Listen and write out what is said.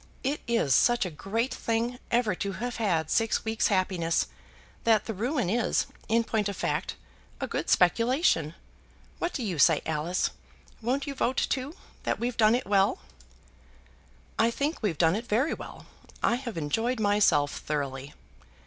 It is such a great thing ever to have had six weeks' happiness, that the ruin is, in point of fact, a good speculation. What do you say, Alice? Won't you vote, too, that we've done it well?" "I think we've done it very well. I have enjoyed myself thoroughly."